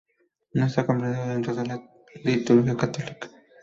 No está comprendido dentro de la liturgia católica.